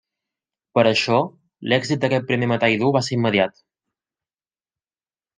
Per això, l'èxit d'aquest primer metall dur va ser immediat.